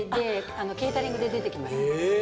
ケータリングで出てきます